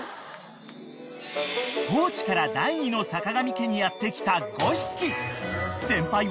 ［高知から第２のさかがみ家にやって来た５匹］